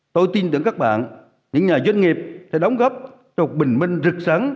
tôi tin tưởng các bạn những nhà doanh nghiệp sẽ đóng góp cho một bình minh rực rắn